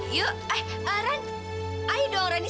sampai jumpa di video selanjutnya